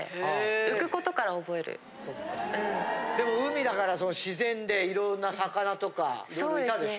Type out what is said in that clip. でも海だから自然でいろんな魚とか色々いたでしょ？